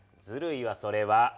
ずるいわそれは。